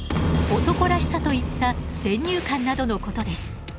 男らしさといった先入観などのことです。